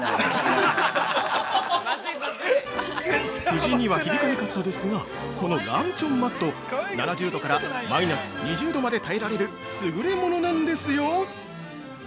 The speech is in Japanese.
◆夫人には響かなかったですがこのランチョンマット、７０度からマイナス２０度まで耐えられる優れものなんですよ！